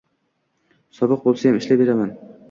Sovuq bo`lsayam ishlayveraman